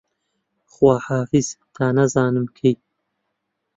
خواحافیز تا نازانم کەی